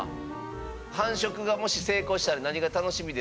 繁殖がもし成功したら何が楽しみですか？